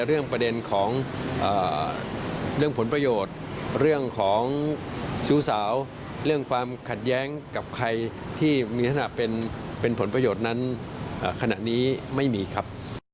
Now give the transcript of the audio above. เรื่องชู้สาวเรื่องความขัดแย้งกับใครที่มีทางหน้าเป็นเป็นผลประโยชน์นั้นขณะนี้ไม่มีครับ